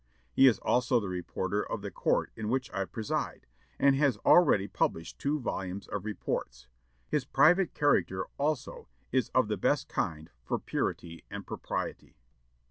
He is also the reporter of the court in which I preside, and has already published two volumes of reports. His private character, also, is of the best kind for purity and propriety."